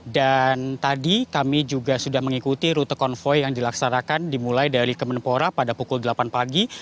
dan tadi kami juga sudah mengikuti rute konvoy yang dilaksanakan dimulai dari kemenpora pada pukul delapan pagi